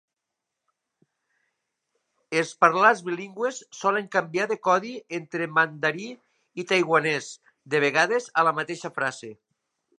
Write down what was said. Els parlants bilingües solen canviar de codi entre mandarí i taiwanès, de vegades a la mateixa frase.